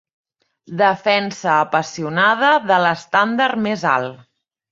Defensa apassionada de l'estàndard més alt.